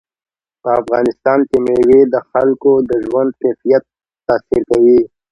په افغانستان کې مېوې د خلکو د ژوند کیفیت تاثیر کوي.